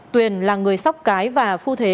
tuyền là người sóc cái và phu thế